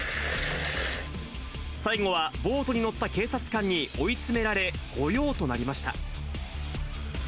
最後はボートに乗った警察官に追い詰められ、御用となりました。